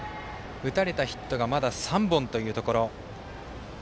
打たれたヒットがまだ３本というところ。